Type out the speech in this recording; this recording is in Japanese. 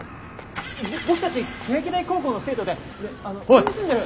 僕たち欅台高校の生徒でであのここに住んでる。